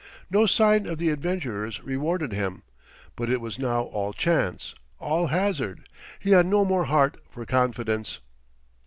No sign of the adventurers rewarded him, but it was now all chance, all hazard. He had no more heart for confidence.